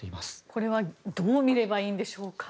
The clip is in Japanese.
これはどう見ればいいんでしょうか。